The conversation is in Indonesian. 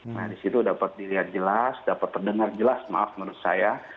nah di situ dapat dilihat jelas dapat terdengar jelas maaf menurut saya